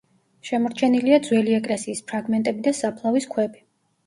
შემორჩენილია ძველი ეკლესიის ფრაგმენტები და საფლავის ქვები.